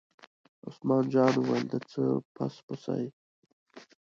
عثمان جان وویل: د څه پس پسي.